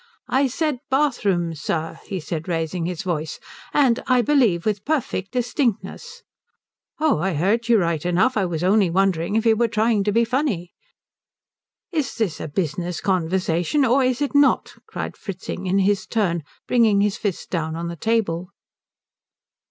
"I said bathrooms, sir," he said, raising his voice, "and I believe with perfect distinctness." "Oh, I heard you right enough. I was only wondering if you were trying to be funny." "Is this a business conversation or is it not?" cried Fritzing, in his turn bringing his fist down on the table.